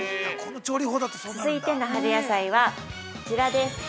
◆続いての春野菜は、こちらです。